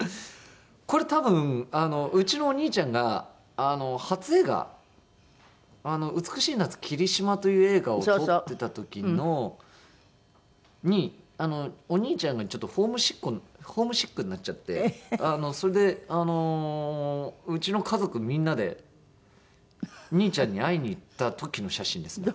これ多分うちのお兄ちゃんが初映画『美しい夏キリシマ』という映画を撮ってた時にお兄ちゃんがちょっとホームシックになっちゃってそれでうちの家族みんなで兄ちゃんに会いに行った時の写真ですね